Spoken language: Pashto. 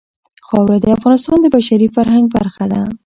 خاوره د افغانستان د بشري فرهنګ برخه ده.